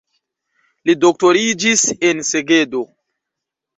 Li doktoriĝis en Segedo.